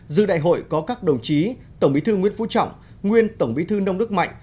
dư đại hội có các đồng chí tổng bí thư nguyễn phú trọng nguyên tổng bí thư nông đức mạnh